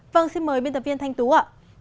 vâng xin mời biên tập viên thanh tú ạ